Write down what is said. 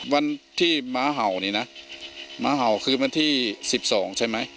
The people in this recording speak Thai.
วันที่ม้าเห่านี่นะม้าเห่าคืนวันที่๑๒ใช่ไหม